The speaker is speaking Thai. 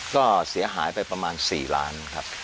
ก็เสียหายไปประมาณ๔ล้านครับ